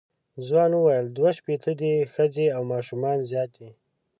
ځوان وویل دوه شپېته دي ښځې او ماشومان زیات دي.